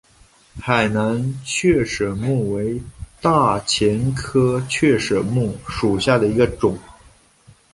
海南雀舌木为大戟科雀舌木属下的一个种。